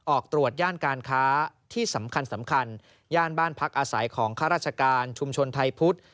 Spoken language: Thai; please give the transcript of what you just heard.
ออกตรวจย่านการค้าที่สำคัญสำคัญย่านบ้านพักอาศัยของข้าราชการชุมชนไทยพุทธ